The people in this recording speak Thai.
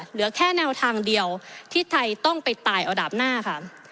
เหลือแค่แนวทางเดียวที่ไทยต้องไปตายเอาดาบหน้าค่ะ